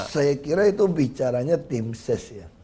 saya kira itu bicaranya tim ses ya